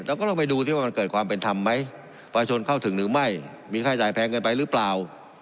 ก็ต้องไปดูที่ว่ามันเกิดความเป็นธรรมไหมประชาชนเข้าถึงหรือไม่มีค่าจ่ายแพงเกินไปหรือเปล่า